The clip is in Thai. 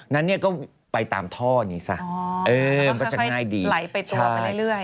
นั้นเนี่ยก็ไปตามท่อนี้ซะเออแล้วก็ค่อยไหลไปตัวไปได้เรื่อย